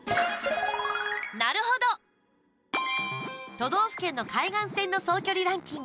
都道府県の海岸線の総距離ランキング。